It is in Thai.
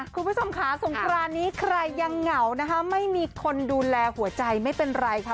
คุณผู้ชมค่ะสงครานนี้ใครยังเหงานะคะไม่มีคนดูแลหัวใจไม่เป็นไรค่ะ